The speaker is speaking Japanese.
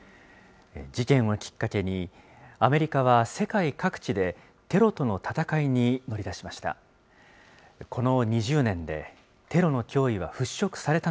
事件をきっかけに、アメリカは世界各地でテロとの戦いに乗り出しました。